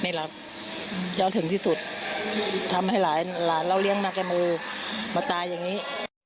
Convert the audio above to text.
ไม่รับจะเอาถึงที่สุดทำให้หลานเล่าเลี้ยงมากันมาตายอย่างนี้